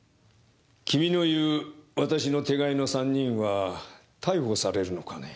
君の言う私の手飼いの３人は逮捕されるのかね？